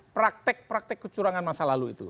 praktek praktek kecurangan masa lalu itu